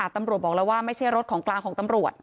ตำรวจบอกแล้วว่าไม่ใช่รถของกลางของตำรวจ